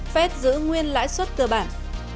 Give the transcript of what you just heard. phép giữ nguyên lãi suất cơ bản